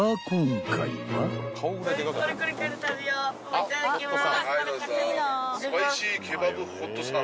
いただきます。